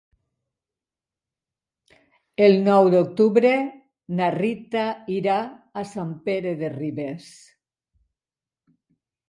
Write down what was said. El nou d'octubre na Rita irà a Sant Pere de Ribes.